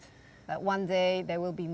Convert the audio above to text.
tadi akan ada lebih banyak